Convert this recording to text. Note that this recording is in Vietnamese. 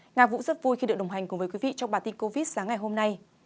nga vũ rất vui khi được đồng hành cùng với quý vị trong bản tin covid sáng ngày hôm nay